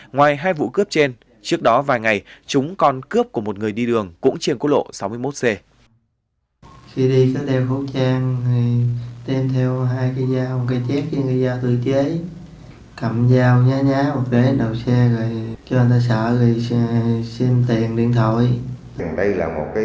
ngoài hai vụ cướp trên trước đó vài ngày chúng còn cướp của một người đi đường cũng trên quốc lộ sáu mươi một c